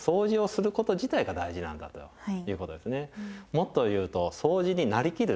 もっと言うとそうじになりきる？